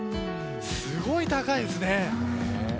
すごい高いですね。